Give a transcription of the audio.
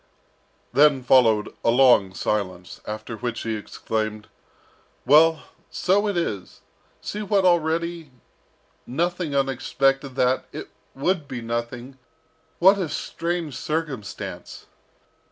Then followed a long silence, after which he exclaimed, "Well, so it is! see what already nothing unexpected that it would be nothing what a strange circumstance!"